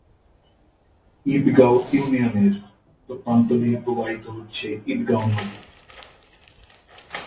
ঈদগাঁও ইউনিয়নের উত্তর প্রান্ত দিয়ে প্রবাহিত হচ্ছে ঈদগাঁও নদী।